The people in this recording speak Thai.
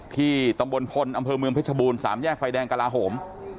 ที่ตำบลพลอำเภอเมืองเพชรบูร๓แยกไฟแดงกลาโหม